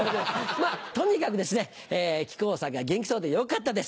まぁとにかく木久扇さんが元気そうでよかったです。